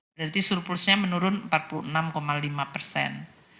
berarti surplusnya menurun empat puluh enam lima persen